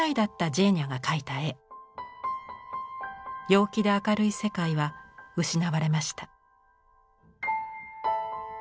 陽気で明るい世界は失われました。